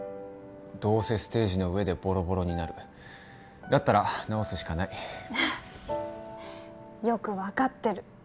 どうせステージの上でボロボロになるだったら直すしかないよく分かってる